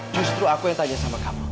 justru aku yang tanya sama kamu